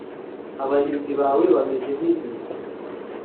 abarinzi bawe bameze nk'inzige